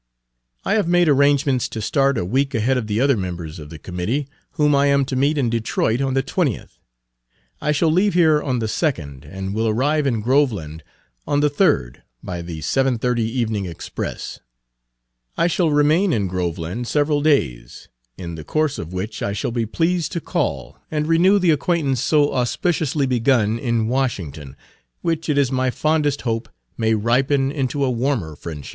I have made arrangements to start a week ahead of the other members of the committee, whom I am to meet in Detroit on the 20th. I shall leave here on the 2d, and will arrive in Groveland on the 3d, by the 7.30 evening express. I shall remain in Groveland several days, in the course of which I shall be pleased to call, and renew the acquaintance so auspiciously begun in Washington, which it is my fondest hope may ripen into a warmer friendship.